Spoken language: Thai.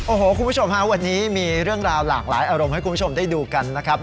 โอ้โหคุณผู้ชมฮะวันนี้มีเรื่องราวหลากหลายอารมณ์ให้คุณผู้ชมได้ดูกันนะครับ